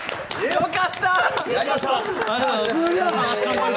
よかった。